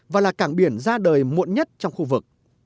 và là cảng biển ra đời muộn nhất trong khu vực